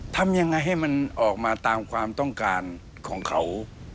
ทำยังไงให้มันออกมาตามความต้องการของเขา